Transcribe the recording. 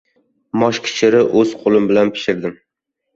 Mosh- kichiri. O‘z qo‘lim bilan pishirdim.